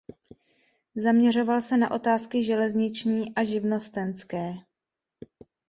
Zaměřoval se na otázky železniční a živnostenské.